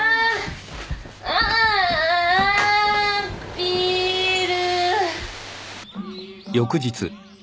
ビール。